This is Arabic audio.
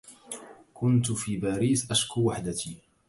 كنت في باريس أشكو وحدتي